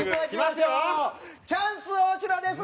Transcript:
チャンス大城です！